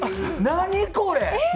何これ！